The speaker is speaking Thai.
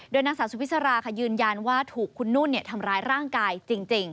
นางสาวสุวิสราค่ะยืนยันว่าถูกคุณนุ่นทำร้ายร่างกายจริง